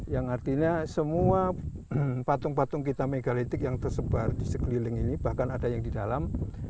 yang artinya semua patung patung kita megalitik yang tersebar di sekeliling ini bahkan ada yang di dalam